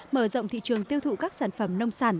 mở rộng thị trường tiêu thụ các sản phẩm nông sản